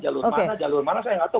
jalur mana jalur mana saya nggak tahu